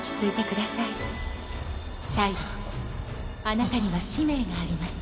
あなたには使命があります。